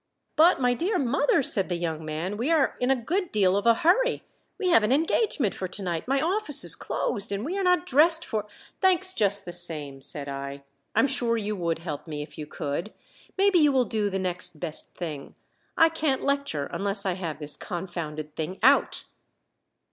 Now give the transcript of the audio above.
"But, my dear mother," said the young man, "we are in a good deal of a hurry. We have an engagement for to night. My office is closed, and we are not dressed for " "Thanks just the same," said I. "I am sure you would help me if you could maybe you will do the next best thing. I can't lecture unless I have this confounded thing out."